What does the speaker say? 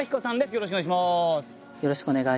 よろしくお願いします。